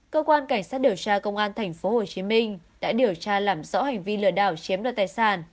cơ quan cảnh sát điều tra công an tp hcm đã điều tra làm rõ hành vi lừa đảo chiếm đoạt tài sản